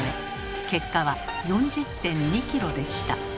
結果は４０．２ｋｇでした。